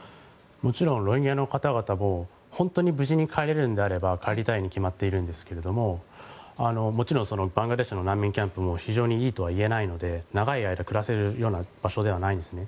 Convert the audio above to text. もちろんロヒンギャの方々も本当に無事に帰れるんであれば帰りたいに決まっているんですがもちろんバングラデシュの難民キャンプも非常にいいとは言えないので長い間暮らせるような場所ではないんですね。